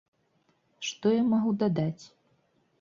Што я магу дадаць?